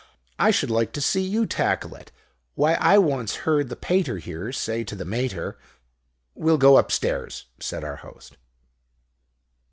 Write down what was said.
I should like to see you tackle it. Why, I once heard the Pater here say to the Mater " "We'll go upstairs," said our Host.